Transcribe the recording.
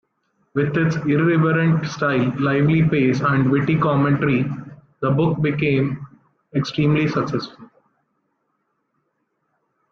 With its irreverent style, lively pace, and witty commentary, the book became extremely successful.